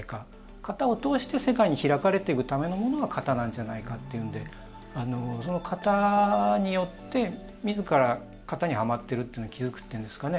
型を通して世界に開かれていくためのものが型なんじゃないかというのでその型によってみずから型にはまっているのに気付くというんですかね。